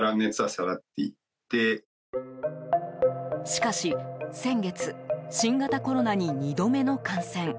しかし、先月新型コロナに２度目の感染。